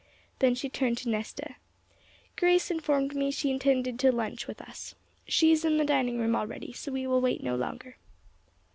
Then she turned to Nesta. 'Grace informed me she intended to lunch with us. She is in the dining room already, so we will wait no longer.'